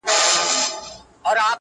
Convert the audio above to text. جهاني له دې مالته مرور دي قسمتونه -